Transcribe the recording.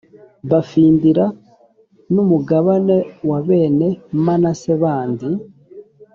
bafindira n umugabane wa bene manase bandi